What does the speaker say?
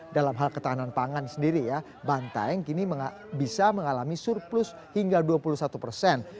dalam hal ketahanan pangan sendiri ya banteng kini bisa mengalami surplus hingga dua puluh satu persen